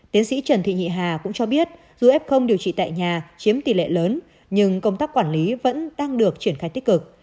tiến sĩ trần thị nhị hà cũng cho biết dù f điều trị tại nhà chiếm tỷ lệ lớn nhưng công tác quản lý vẫn đang được triển khai tích cực